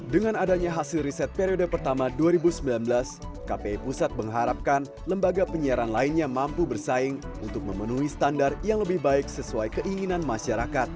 dengan adanya hasil riset periode pertama dua ribu sembilan belas kpi pusat mengharapkan lembaga penyiaran lainnya mampu bersaing untuk memenuhi standar yang lebih baik sesuai keinginan masyarakat